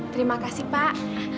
terima kasih pak